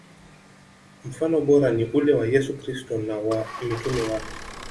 Mfano bora ni ule wa Yesu Kristo na wa mitume wake.